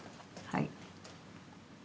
はい。